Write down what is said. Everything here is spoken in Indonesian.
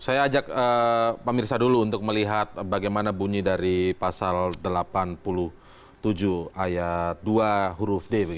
saya ajak pak mirsa dulu untuk melihat bagaimana bunyi dari pasal delapan puluh tujuh ayat dua huruf d